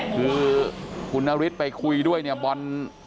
คือคุณอาวิทย์ไปคุยด้วยเนี่ยบอน